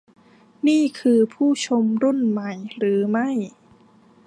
นี่คือผู้ชมรุ่นใหม่หรือไม่